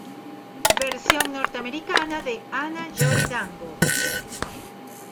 Versión norteamericana de Hana Yori Dango.